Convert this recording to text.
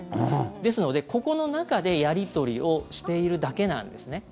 ですので、ここの中でやり取りをしているだけなんですね。